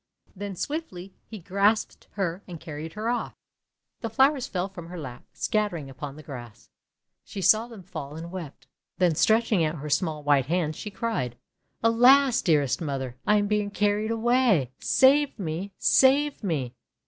Then swiftly he grasped her and carried her off. The flowers fell from her lap, scattering upon the grass. She saw them fall and wept; then stretching out her small white hands, she cried :— "Alas! dearest Mother! I am being carried away! Save me! Save me!'